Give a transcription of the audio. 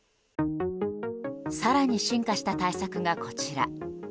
更に進化した対策がこちら。